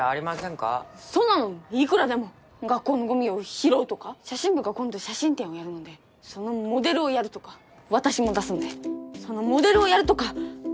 そんなのいくらでも学校のゴミを拾うとか写真部が今度写真展をやるのでそのモデルをやるとか私も出すんでそのモデルをやるとか！